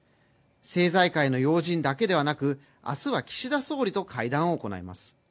政財界の要人だけではなく明日は岸田総理と会談を行います。